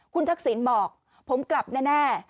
คุณทักษิณบอกผมกลับแน่